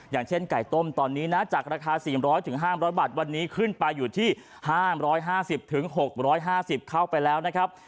อย่างเช่นไก่ต้มตอนนี้นะจากราคา๔๐๐๕๐๐บาทวันนี้ขึ้นไปอยู่ที่๕๕๐๖๕๐เข้าไปแล้วนะครับ